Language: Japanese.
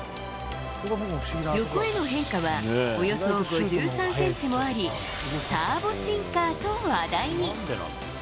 横への変化はおよそ５３センチもあり、ターボシンカーと話題に。